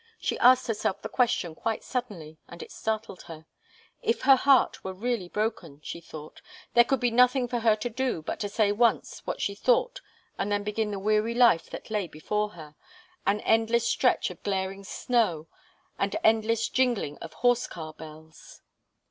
She asked herself the question quite suddenly, and it startled her. If her heart were really broken, she thought, there could be nothing for her to do but to say once what she thought and then begin the weary life that lay before her an endless stretch of glaring snow, and endless jingling of horse car bells.